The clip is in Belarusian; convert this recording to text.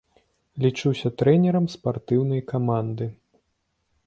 Лічуся трэнерам спартыўнай каманды.